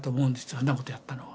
そんなことやったのは。